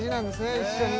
一緒にね